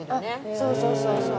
そうそうそうそう。